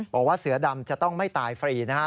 บอกว่าเสือดำจะต้องไม่ตายฟรีนะฮะ